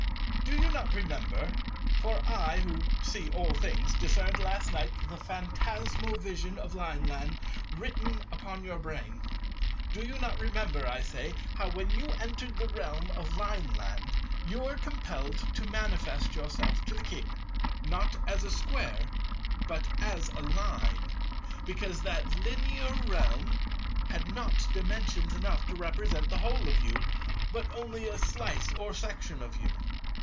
Do you not remember—for I, who see all things, discerned last night the phantasmal vision of Lineland written upon your brain—do you not remember, I say, how when you entered the realm of Lineland, you were compelled to manifest yourself to the King, not as a Square, but as a Line, because that Linear Realm had not Dimensions enough to represent the whole of you, but only a slice or section of you?